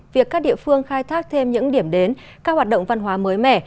việc các địa phương khai thác thêm những điểm đến các hoạt động văn hóa mới mẻ